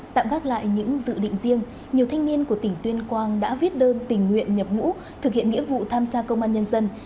tạm gác lại những dự định riêng nhiều thanh niên của tỉnh tuyên quang đã viết đơn tình nguyện nhập ngũ thực hiện nghĩa vụ tham gia công an nhân dân